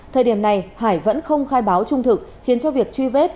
thời điểm này hải vẫn không khai báo trung thực khiến cho việc truy vết